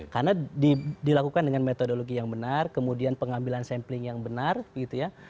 karena dilakukan dengan metodologi yang benar kemudian pengambilan sampling yang benar gitu ya